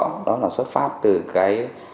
làm rõ đó là xuất phát từ cái